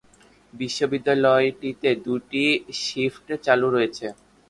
বিদ্যালয়টিতে দুটি শিফট চালু রয়েছে।